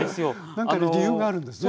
何かの理由があるんですよね？